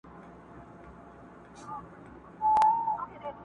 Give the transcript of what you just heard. د کتلو د ستایلو نمونه وه،